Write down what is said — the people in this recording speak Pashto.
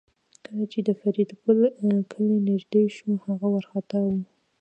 کله چې د فریدګل کلی نږدې شو هغه وارخطا و